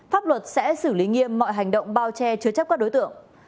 pháp luật sẽ xử lý nghiêm mọi hành động bao che chứa chấp các đối tượng